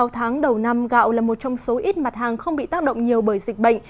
sáu tháng đầu năm gạo là một trong số ít mặt hàng không bị tác động nhiều bởi dịch bệnh